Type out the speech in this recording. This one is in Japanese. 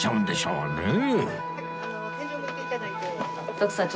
徳さん